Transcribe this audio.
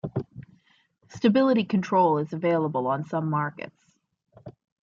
Stability control is available on some markets.